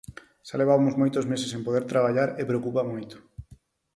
Xa levamos moitos meses sen poder traballar e preocupa moito.